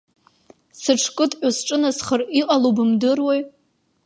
Сыҽкыдҟьо сҿынасхар, иҟало бымдыруеи?